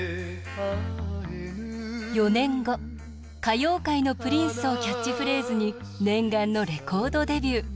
４年後「歌謡界のプリンス」をキャッチフレーズに念願のレコードデビュー。